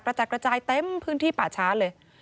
จัดกระจายเต็มพื้นที่ป่าช้าเลย